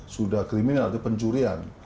sudah kriminal itu pencurian